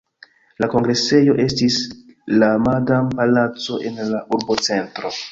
La kongresejo estis la Madam-palaco en la urbocentro.